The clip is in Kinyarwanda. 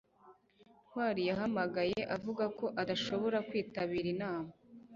ntwali yahamagaye avuga ko adashobora kwitabira inama